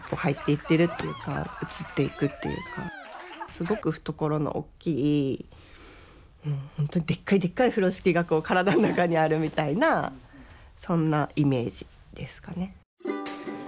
すごく懐のおっきい本当にでっかいでっかい風呂敷が体の中にあるみたいなそんなイメージですかね。